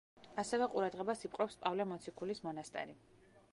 ასევე ყურადღებას იპყრობს პავლე მოციქულის მონასტერი.